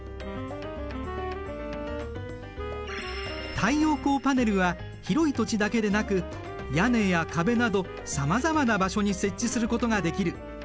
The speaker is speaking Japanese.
太陽光パネルは広い土地だけでなく屋根や壁などさまざまな場所に設置することができる。